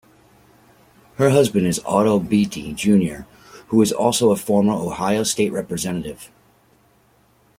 Her husband is Otto Beatty Junior who is also a former Ohio State Representative.